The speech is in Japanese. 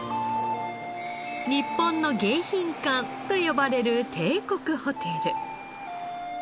「日本の迎賓館」と呼ばれる帝国ホテル。